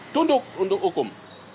tunduk untuk hukum